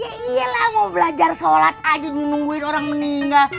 iya lah mau belajar sholat aja nungguin orang meninggal